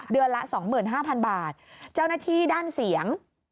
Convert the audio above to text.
เดือนละ๒๕๐๐๐บาทเจ้าหน้าที่ด้านเสียง